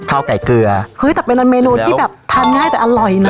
ไก่เกลือเฮ้ยแต่เป็นเมนูที่แบบทานง่ายแต่อร่อยนะ